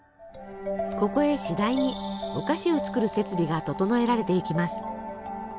ここへしだいにお菓子を作る設備が整えられていきます。